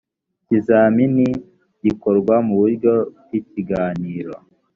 ikizamini gikorwa mu buryo bw ikiganiro